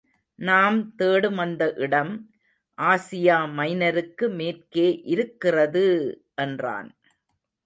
நாம் தேடும் அந்த இடம் ஆசியா மைனருக்கு மேற்கே இருக்கிறது! என்றான்.